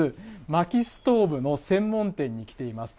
まきストーブの専門店に来ています。